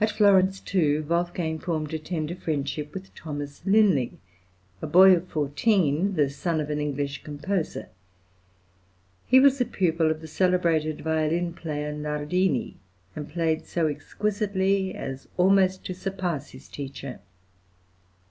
At Florence, too, Wolfgang formed a tender friendship with Thomas Linley, a boy of fourteen, the son of an English composer; he was a pupil of the celebrated violin player Nardini, and played so exquisitely as almost to surpass his teacher.